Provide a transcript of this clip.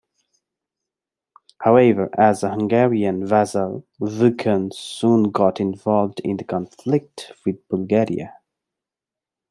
However, as a Hungarian vassal, Vukan soon got involved in the conflict with Bulgaria.